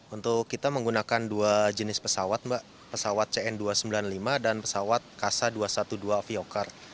untuk kita menggunakan dua jenis pesawat mbak pesawat cn dua ratus sembilan puluh lima dan pesawat kasa dua ratus dua belas aviocar